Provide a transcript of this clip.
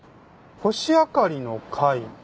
星あかりの会？